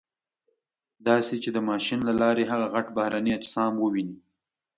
داسې چې د ماشین له لارې هغه غټ بهرني اجسام وویني.